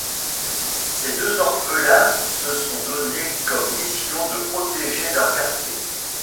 Ces deux orphelins se sont donné comme mission de protéger leur quartier.